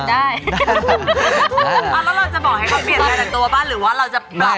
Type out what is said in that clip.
แล้วเราจะบอกให้เขาเปลี่ยนเราแต่ตัวบ้านหรือว่าเราจะปรับ